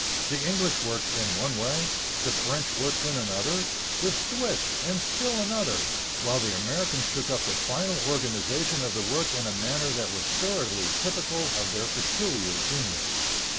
The English worked in one way; the French worked in another; the Swiss, in still another; while the Americans took up the final organization of the work in a manner that was thoroughly typical of their peculiar genius.